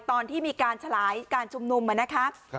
ตอนที่มีการฉลายการชุมนุมนะคะ